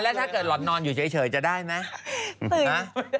แล้วถ้าเกิดหล่อนนอนอยู่เฉยจะได้ไหม